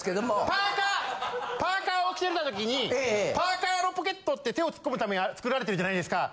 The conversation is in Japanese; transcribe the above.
パーカーパーカーを着てた時にパーカーのポケットって手を突っ込むために作られてるじゃないですか。